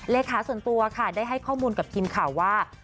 เลขาส่วนตัวค่ะได้ให้ข้อมูลกับทีมข่าวว่า